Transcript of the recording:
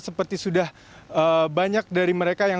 seperti sudah banyak dari mereka yang